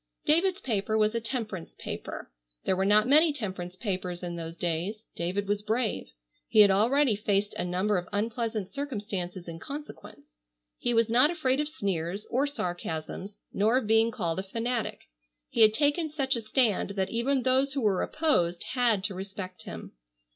David's paper was a temperance paper. There were not many temperance papers in those days. David was brave. He had already faced a number of unpleasant circumstances in consequence. He was not afraid of sneers or sarcasms, nor of being called a fanatic. He had taken such a stand that even those who were opposed had to respect him.